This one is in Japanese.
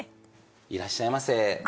いらっしゃいませ。